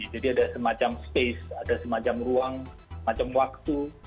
jadi ada semacam space ada semacam ruang semacam waktu